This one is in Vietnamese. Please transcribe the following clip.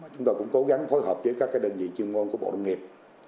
chúng tôi cũng cố gắng phối hợp với các đơn vị chuyên ngôn của bộ đông nghiệp